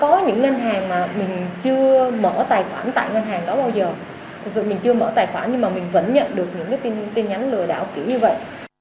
thực sự mình chưa mở tài khoản nhưng mà mình vẫn nhận được những cái tin nhắn lừa đảo kỹ như vậy